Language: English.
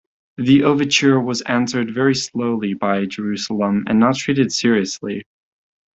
The overture was answered very slowly by Jerusalem and not treated seriously.